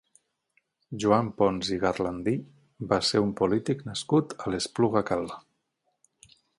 Joan Pons i Garlandí va ser un polític nascut a l'Espluga Calba.